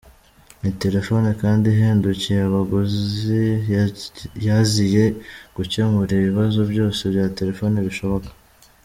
Ni telefoni kandi ihendukiye abaguzi, yaziye gukemura ibibazo byose bya telefoni bishoboka.